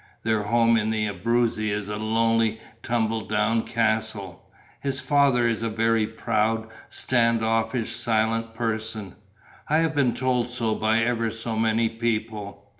Their home in the Abruzzi is a lonely, tumbledown castle. His father is a very proud, stand offish, silent person. I have been told so by ever so many people.